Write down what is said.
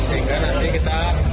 masyarakat yang masih belum bagus